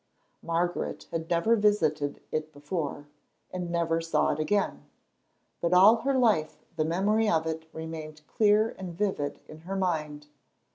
Margaret had never visited it before, and never saw it again, but all her life the memory of it remained clear and vivid in her mind.